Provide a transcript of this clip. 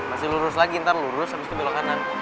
masih lurus lagi ntar lurus abis itu belok kanan